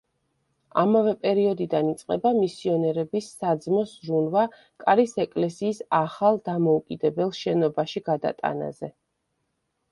ამავე პერიოდიდან იწყება მისიონერების საძმოს ზრუნვა კარის ეკლესიის ახალ დამოუკიდებელ შენობაში გადატანაზე.